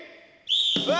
うわ！